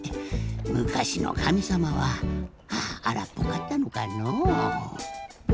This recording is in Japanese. むかしのかみさまはあらっぽかったのかのう。